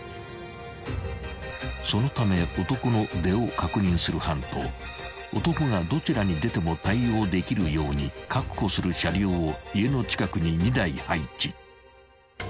［そのため男の出を確認する班と男がどちらに出ても対応できるように確保する車両を家の近くに２台配置］